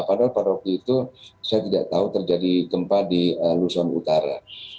padahal pada waktu itu saya tidak tahu terjadi gempa di luson utara